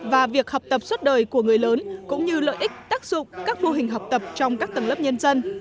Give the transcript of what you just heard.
và việc học tập suốt đời của người lớn cũng như lợi ích tác dụng các mô hình học tập trong các tầng lớp nhân dân